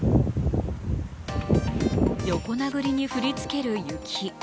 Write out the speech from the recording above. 横殴りに降りつける雪。